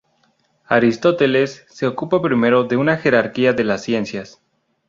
Aristóteles se ocupa primero de una jerarquía de las ciencias.